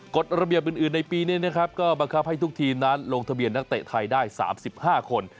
กฎระเบียบอื่นในปีนี้นะครับก็บังคับให้ทุกทีมนั้นลงทะเบียนนักเตะไทยได้๓๕คน